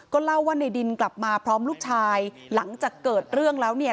เล่าว่าในดินกลับมาพร้อมลูกชายหลังจากเกิดเรื่องแล้วเนี่ย